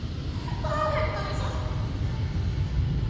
パーフェクトでしょ！？